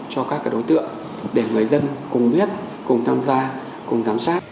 cho các đối tượng để người dân cùng biết cùng tham gia cùng giám sát